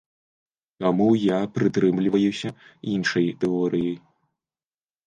Таму я прытрымліваюся іншай тэорыі.